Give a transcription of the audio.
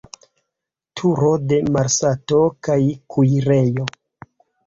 Turo de malsato kaj kuirejo.